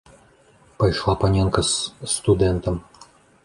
Пайшла паненка з студэнтам.